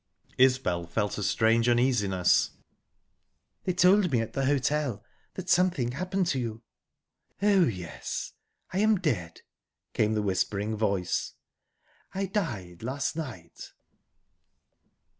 Isbel felt a strange uneasiness. "They told me at the hotel that something happened to you." "Oh, yes I am dead," came the whispering voice. "I died last night."